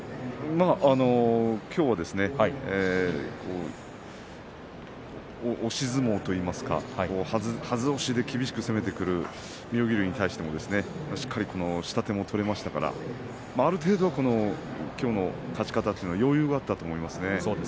きょうはですね押し相撲といいますかはず押しで厳しく攻めてくる妙義龍に対してもしっかりと下手も取れましたからある程度はきょうの勝ち方というのは余裕があったと思いますね。